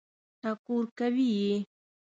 ټکور کوي یې.